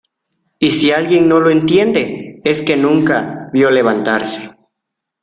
y si alguien no lo entiende, es que nunca vio levantarse